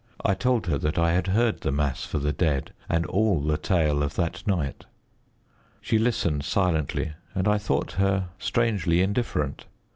I told her how I had heard the mass for the dead, and all the tale of that night. She listened silently, and I thought her strangely indifferent.